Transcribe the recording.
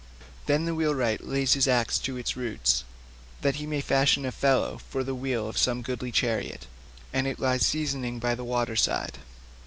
Then the wheelwright lays his axe to its roots that he may fashion a felloe for the wheel of some goodly chariot, and it lies seasoning by the waterside.